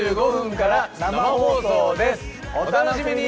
お楽しみに！